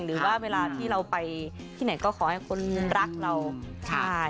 หรือว่าเวลาที่เราไปที่ไหนก็ขอให้คนรักเราใช่